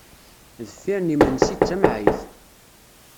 Deffir n yimensi d tamɛayt.